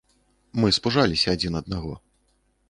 Мы спужаліся адзін аднаго.